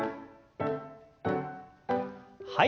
はい。